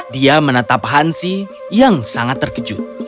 dia menatap hansi yang sangat terkejut